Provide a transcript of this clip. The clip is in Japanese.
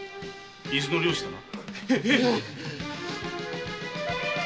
伊豆の漁師だな？